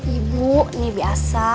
ibu ini biasa